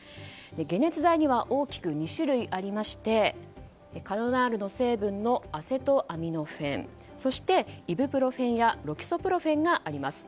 解熱剤には大きく２種類ありましてカロナールの成分のアセトアミノフェンそして、イブプロフェンやロキソプロフェンがあります。